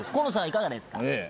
いかがですか？